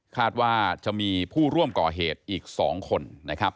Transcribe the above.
คาดว่าจะมีผู้ร่วมก่อเหตุอีก๒คนนะครับ